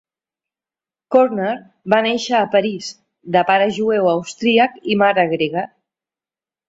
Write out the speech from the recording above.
Koerner va néixer a París, de pare jueu austríac i mare grega.